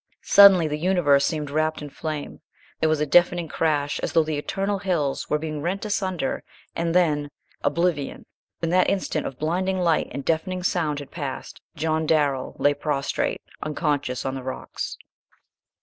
Suddenly the universe seemed wrapped in flame, there was a deafening crash as though the eternal hills were being rent asunder, and then oblivion! When that instant of blinding light and deafening sound had passed John Darrell lay prostrate, unconscious on the rocks.